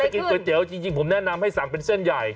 เกิดอะไรขึ้นจริงผมแนะนำให้สั่งเป็นเส้นใหญ่